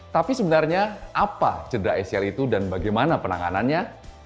tapi sebenarnya apa cedera acl itu dan bagaimana penanganannya